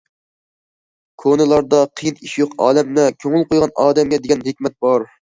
كونىلاردا‹‹ قىيىن ئىش يوق ئالەمدە، كۆڭۈل قويغان ئادەمگە›› دېگەن ھېكمەت بار.